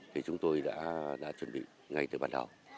thì chúng tôi đã chuẩn bị ngay từ ban đầu